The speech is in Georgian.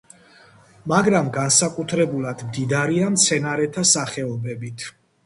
მაგრამ განსაკუთრებულად მდიდარია მცენარეთა სახეობებით.